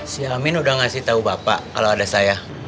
si amin udah ngasih tahu bapak kalau ada saya